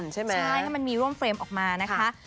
ใช่มันมีร่วมเฟรมออกมานะคะ